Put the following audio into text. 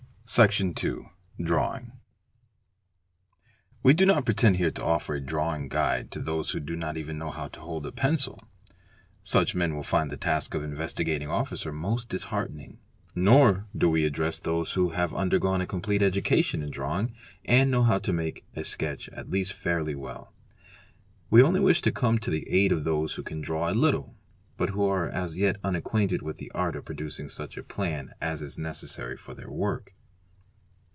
Section ii.—Drawing. _ We do not pretend here to offer a drawing guide to those who do not even know how to hold a pencil®®, Such men will find the task of nvestigating Officer most disheartening. Nor do we address those who ne ve undergone a complete education in drawing and know how to make 'sketch at least fairly well. We only wish to come to the aid of those ho can draw a little, but who are as yet unacquainted with the art of dducing such a plan as is necessary for their work.